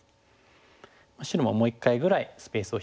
白ももう一回ぐらいスペースを広げて。